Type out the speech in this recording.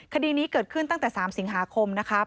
คดีนี้เกิดขึ้นตั้งแต่๓สิงหาคมนะครับ